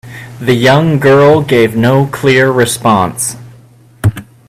The young girl gave no clear response.